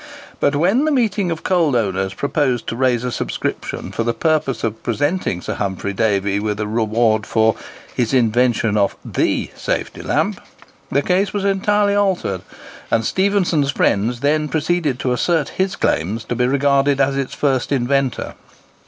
But when the meeting of coal owners proposed to raise a subscription for the purpose of presenting Sir H. Davy with a reward for "his invention of the safety lamp," the case was entirely altered; and Stephenson's friends then proceeded to assert his claims to be regarded as its first inventor.